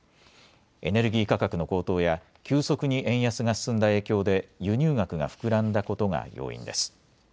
エネルギー価格の高騰や急速に円安が進んだ影響で輸入額が膨らんだことが要因です。